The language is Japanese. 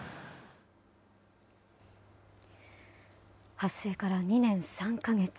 発生から２年３か月。